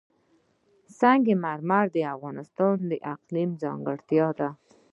سنگ مرمر د افغانستان د اقلیم ځانګړتیا ده.